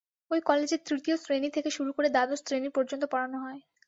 ওই কলেজে তৃতীয় শ্রেণি থেকে শুরু করে দ্বাদশ শ্রেণি পর্যন্ত পড়ানো হয়।